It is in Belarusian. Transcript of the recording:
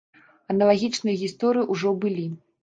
Аналагічныя гісторыі ўжо былі.